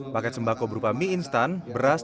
paket sembako berupa mie instan beras